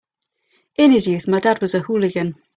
In his youth my dad was a hooligan.